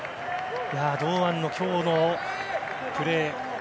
堂安の今日のプレー。